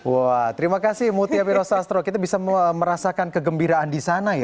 wah terima kasih mutia wiro sastro kita bisa merasakan kegembiraan di sana ya